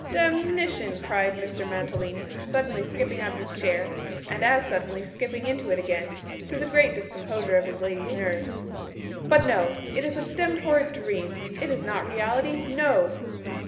'Demnition!' cried Mr. Mantalini, suddenly skipping out of his chair, and as suddenly skipping into it again, to the great discomposure of his lady's nerves. 'But no. It is a demd horrid dream. It is not reality. No!